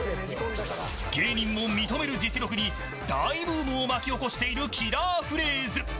芸人も認める実力に大ブームを巻き起こしているキラーフレーズ。